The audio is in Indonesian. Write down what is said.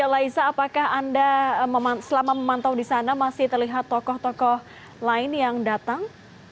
laisa apakah anda selama memantau di sana masih terlihat tokoh tokoh lain yang datang